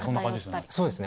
そうですね